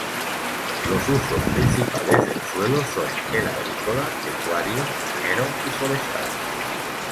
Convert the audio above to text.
Los usos principales del suelo son el agrícola, pecuario, minero y forestal.